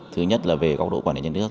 thứ nhất là về góc độ quản lý nhân nước